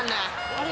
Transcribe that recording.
あれ？